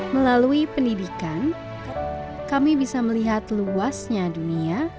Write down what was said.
melalui pendidikan kami bisa melihat luasnya dunia